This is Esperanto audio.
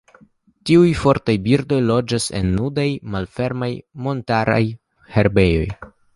Tiuj fortaj birdoj loĝas en nudaj malfermaj montaraj herbejoj.